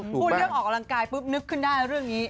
พูดเรื่องออกกำลังกายปุ๊บนึกขึ้นได้เรื่องนี้